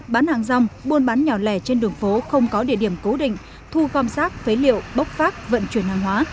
bán hàng rong buôn bán nhỏ lẻ trên đường phố không có địa điểm cố định thu gom rác phế liệu bốc phát vận chuyển hàng hóa